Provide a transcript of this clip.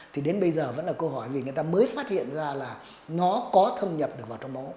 thì đến bây giờ vẫn là câu hỏi vì người ta mới phát hiện ra là nó có thâm nhập được vào trong máu